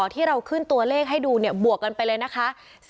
ที่เราขึ้นตัวเลขให้ดูเนี่ยบวกกันไปเลยนะคะ